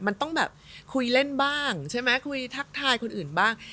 มันต้องแบบคุยเล่นบ้างใช่ไหมคุยทักทายคนอื่นบ้าง